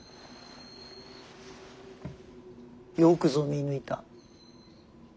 よくぞ見抜いた。